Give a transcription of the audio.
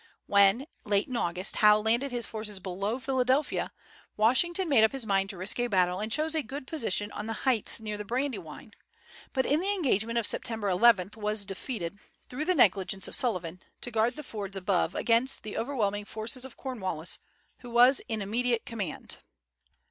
When, late in August, Howe landed his forces below Philadelphia, Washington made up his mind to risk a battle, and chose a good position on the heights near the Brandywine; but in the engagement of September 11 was defeated, through the negligence of Sullivan to guard the fords above against the overwhelming forces of Cornwallis, who was in immediate command.